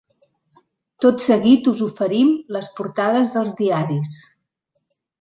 Tot seguit us oferim les portades dels diaris.